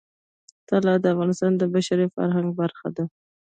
طلا د افغانستان د بشري فرهنګ برخه ده.